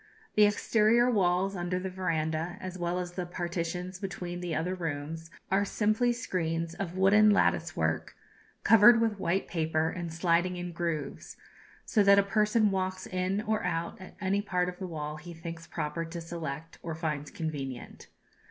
The exterior walls under the verandah, as well as the partitions between the other rooms, are simply screens of wooden lattice work, covered with white paper, and sliding in grooves; so that a person walks in or out at any part of the wall he thinks proper to select or finds convenient.